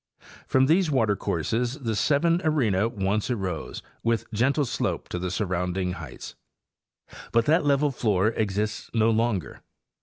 From these water courses the even arena once arose with gentle slope to the surrounding heights. ... But that level floor exists no longer.